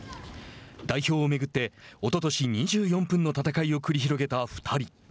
代表を巡っておととし２４分の戦いを繰り広げた２人。